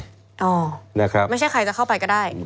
ไม่ใช่ใครจะเข้าไปก็ได้